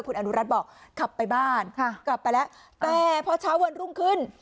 คุณอนุรัติบอกขับไปบ้านกลับไปแล้วแต่พอเช้าวันรุ่งขึ้น